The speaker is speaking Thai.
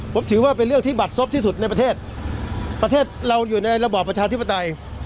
ผมถือว่าเป็นเรื่องที่บัตรซบที่สุดในประเทศประเทศเราอยู่ในระบอบประชาธิปไตย